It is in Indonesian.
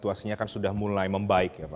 terima kasih bu sir